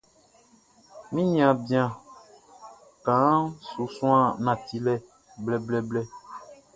Mi niaan bian kaanʼn su suan nantilɛ blɛblɛblɛ.